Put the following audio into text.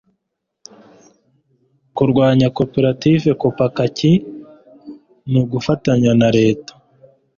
kurwanya koperative kopakaki nugufatanya na leta